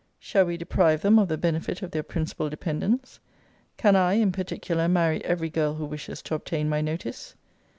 Shall we deprive them of the benefit of their principal dependence? Can I, in particular, marry every girl who wishes to obtain my notice?